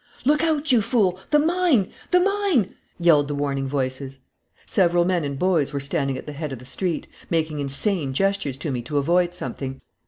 "Look out, you fool! The mine! The mine!" yelled the warning voices. Several men and boys were standing at the head of the street, making insane gestures to me to avoid something.